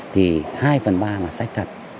thì hai phần ba là sách thật